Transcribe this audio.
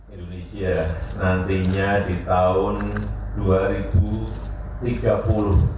indonesia nantinya di tahun dua ribu tiga puluh